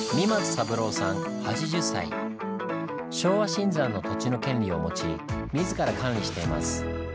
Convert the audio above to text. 昭和新山の土地の権利を持ち自ら管理しています。